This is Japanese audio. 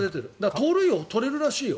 盗塁王、取れるらしいよ